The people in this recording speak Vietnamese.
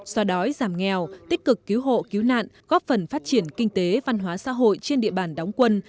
so đói giảm nghèo tích cực cứu hộ cứu nạn góp phần phát triển kinh tế văn hóa xã hội trên địa bàn đóng quân